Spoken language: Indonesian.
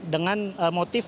dengan motif dua